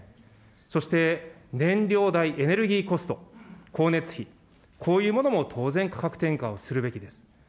そして燃料代、エネルギーコスト、光熱費、こういうものも当然価格転嫁をするべきです。